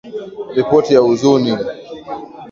Ripoti ya huzuni.